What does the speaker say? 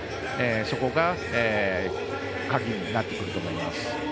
そこが鍵になってくると思います。